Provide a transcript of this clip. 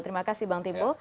terima kasih bang timbo